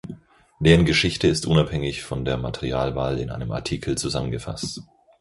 Deren Geschichte ist unabhängig von der Materialwahl in einem Artikel zusammengefasst.